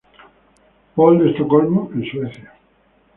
Paul de Estocolmo, en Suecia.